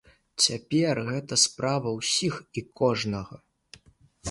Цяпер гэта справа ўсіх і кожнага!